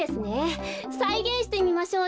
さいげんしてみましょうよ。